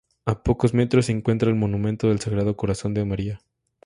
A pocos metros se encuentra el Monumento del Sagrado Corazón de María.